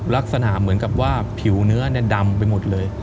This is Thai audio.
ลักษณะเหมือนกับว่าผิวเนื้อดำไปหมดเลย